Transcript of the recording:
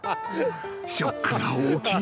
［ショックが大きい］